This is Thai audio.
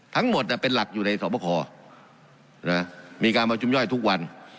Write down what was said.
ทั้งหมดเป็นหลักอยู่ในสอบประคอมีการประชุมย่อยทุกวัน